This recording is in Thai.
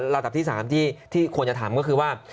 ระดับที่๓ที่ควรจะทำก็คือว่า